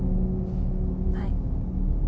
はい。